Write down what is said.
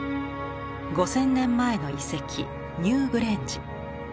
５，０００年前の遺跡ニューグレンジ。